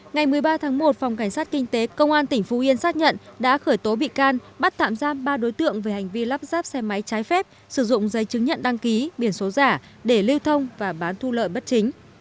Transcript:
ngày một mươi ba tháng một phòng cảnh sát kinh tế công an tỉnh phú yên xác nhận đã khởi tố bị can bắt tạm giam ba đối tượng về hành vi lắp ráp xe máy trái phép sử dụng giấy chứng nhận đăng ký biển số giả để lưu thông và bán thu lợi bất chính